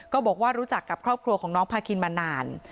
บอกว่ารู้จักกับครอบครัวของน้องพาคินมานาน